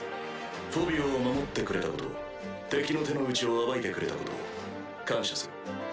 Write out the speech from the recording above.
フォビオを守ってくれたこと敵の手の内を暴いてくれたこと感謝する。